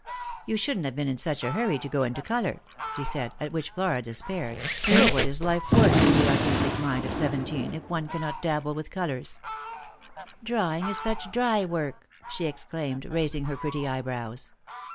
" You shouldn't have been in such a hurry to go into colour," he said, at which Flora despaired; for what is life worth to the artistic mind of seventeen if one cannot dabble with colours P " Drawing is such dry work," she exclaimed, raising her pretty eyebrows.